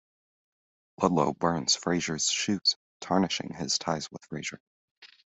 Ludlow burns Frasier's shoes, tarnishing his ties with Frasier.